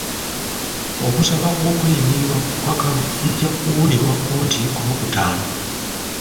Okusaba kw'okweyimirirwa ku kakalu kujja kuwulirwa kkooti ku lwokutaano.